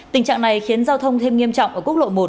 tình trạng này khiến giao thông thêm nghiêm trọng ở quốc lộ một